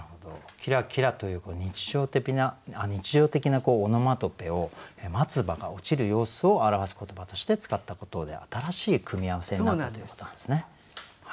「きらきら」という日常的なオノマトペを松葉が落ちる様子を表す言葉として使ったことで新しい組み合わせになったということなんですね。